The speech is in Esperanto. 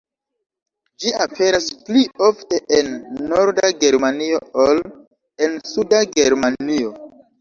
Ĝi aperas pli ofte en norda Germanio ol en suda Germanio.